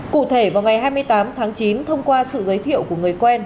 cụ thể vào ngày hai mươi tám tháng chín thông qua sự giới thiệu của người quen